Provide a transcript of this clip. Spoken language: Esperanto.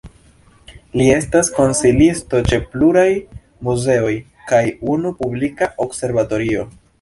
Li estas konsilisto ĉe pluraj muzeoj kaj unu publika observatorio.